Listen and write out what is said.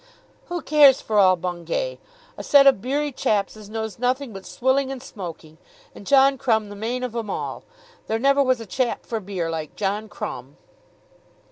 "Who cares for all Bungay, a set of beery chaps as knows nothing but swilling and smoking; and John Crumb the main of 'em all? There never was a chap for beer like John Crumb."